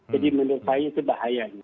menurut saya itu bahaya